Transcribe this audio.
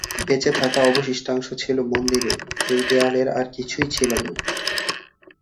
বেঁচে থাকা অবশিষ্টাংশ হল মন্দিরের, এই দেয়ালের আর কিছুই ছিল না।